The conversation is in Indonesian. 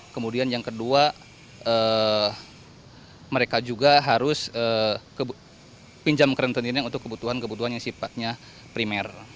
kemudian yang kedua mereka juga harus pinjam ke rentenirnya untuk kebutuhan kebutuhan yang sifatnya primer